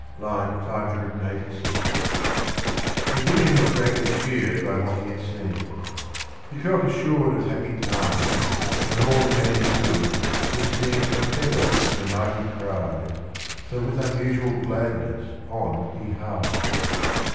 (II. 586) Endymion was greatly cheered by what he had seen : he felt assur'd Of happy times, when all he had endur'd , Would seem a feather to the mighty prize. So with unusual gladness on he hies.